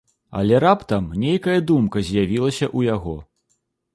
Але раптам нейкая думка з'явілася ў яго.